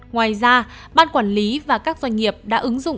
ngoài ra ban quản lý và các doanh nghiệp đã ứng dụng